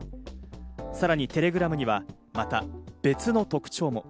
さらにテレグラムには、また別の特徴も。